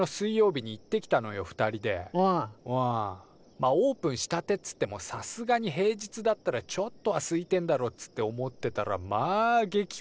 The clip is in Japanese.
まあオープンしたてっつってもさすがに平日だったらちょっとはすいてんだろっつって思ってたらまあ激こみでさ。